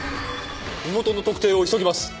身元の特定を急ぎます。